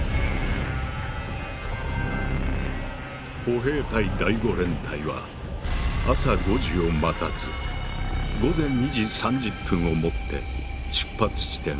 歩兵第５連隊は朝５時を待たず午前２時３０分をもって出発地点